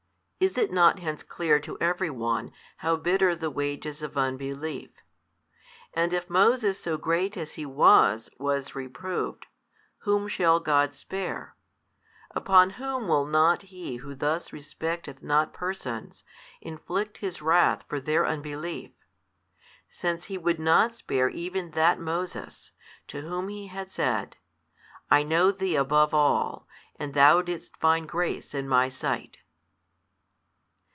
Is it not hence clear to every one, how bitter the wages of unbelief? And if Moses so great as he was, was reproved, whom shall God spare, upon whom will not He who thus respecteth not persons, inflict His wrath for their unbelief, since He would not spare even that Moses, to whom He had said, I know thee above all, and thou didst find grace in My Sight.